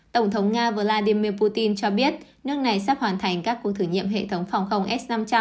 tổng thống nga vladimir putin cho biết nước này sắp hoàn thành các cuộc thử nghiệm hệ thống phòng không s năm trăm linh